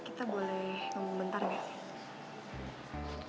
bu kita boleh ngomong bentar gak